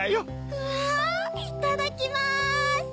うわぁいただきます。